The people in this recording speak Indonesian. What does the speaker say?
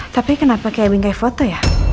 tapi kenapa kayak bingkai foto ya